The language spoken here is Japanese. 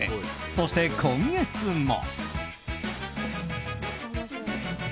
そして今月も。